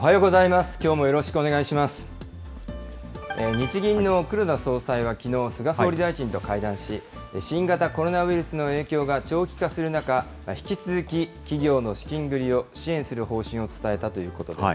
日銀の黒田総裁はきのう、菅総理大臣と会談し、新型コロナウイルスの影響が長期化する中、引き続き企業の資金繰りを支援する方針を伝えたということです。